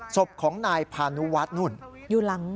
ศพของนายพาณุวัฒน์นู่น